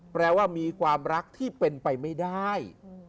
แปลว่ามีความรักที่เป็นไปไม่ได้